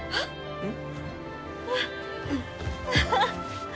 うん？